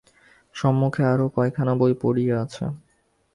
সম্মুখে আরো কয়খানা বই পড়িয়া আছে।